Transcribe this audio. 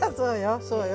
そうよ。